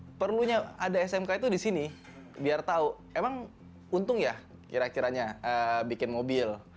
nah perlunya ada smk itu di sini biar tahu emang untung ya kira kiranya bikin mobil